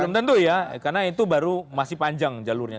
belum tentu ya karena itu baru masih panjang jalurnya